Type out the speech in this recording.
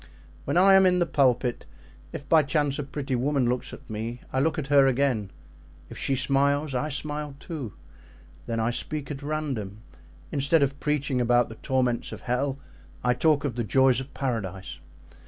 When I am in the pulpit, if by chance a pretty woman looks at me, I look at her again: if she smiles, I smile too. Then I speak at random; instead of preaching about the torments of hell I talk of the joys of Paradise.